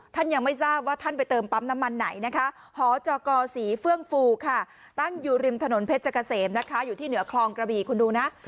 ทางถนนเพชรกะเสมนะคะอยู่ที่เหนือคลองกระบีคุณดูนะ